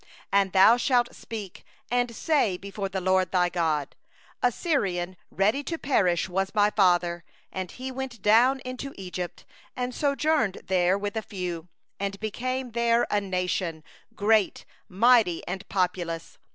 5And thou shalt speak and say before the LORD thy God: 'A wandering Aramean was my father, and he went down into Egypt, and sojourned there, few in number; and he became there a nation, great, mighty, and populous.